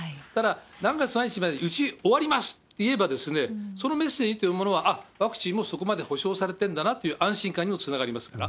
ただ、何月何日までに打ち終わりますと言えば、そのメッセージというものは、あっ、ワクチンもそこまで保証されてんだなという安心感にもつながります。